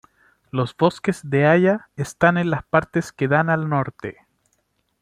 Los bosques de haya están en las partes que dan al norte.